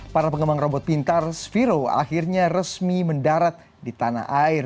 para pengembang robot pintar sphero akhirnya resmi mendarat di tanah air